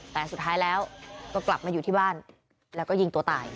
แต่สุดท้ายแล้วก็กลับมาอยู่ที่บ้านแล้วก็ยิงตัวตาย